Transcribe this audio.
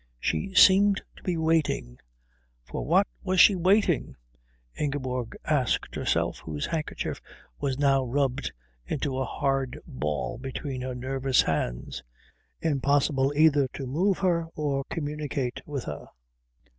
She seemed to be waiting. For what was she waiting? Ingeborg asked herself, whose handkerchief was now rubbed into a hard ball between her nervous hands. Impossible either to move her or communicate with her.